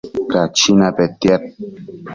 Cachina petiad